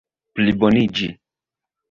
pliboniĝi